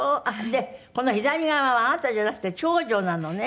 でこの左側はあなたじゃなくて長女なのね。